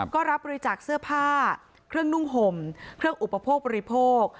ก็รับบริจาคเสื้อผ้าเครื่องนุ่งห่มเครื่องอุปโภคบริโภค